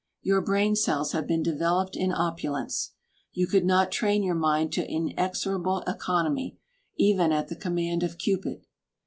Your brain cells have been developed in opulence. You could not train your mind to inexorable economy, even at the command of Cupid.